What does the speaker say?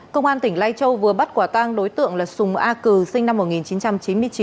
công an tỉnh lai châu vừa bắt quả tang đối tượng là sùng a cừ sinh năm một nghìn chín trăm chín mươi chín